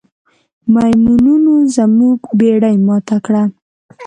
میمونونو زموږ بیړۍ ماته کړه.